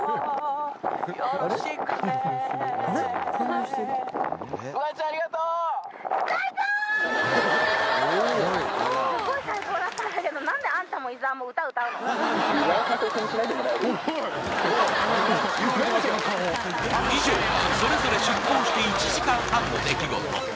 マジで以上がそれぞれ出航して１時間半の出来事